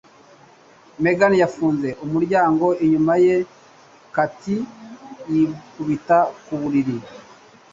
Megan yafunze umuryango inyuma ye, Katie yikubita ku buriri.